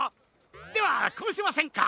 ではこうしませんか？